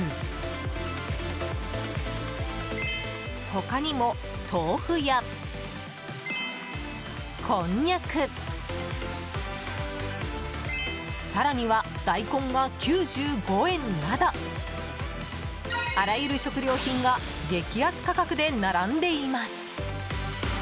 他にも豆腐や、こんにゃく更には大根が９５円などあらゆる食料品が激安価格で並んでいます。